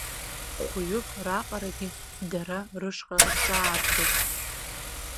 Хәҩык раҟарагьы дара рышҟа рҿаархеит.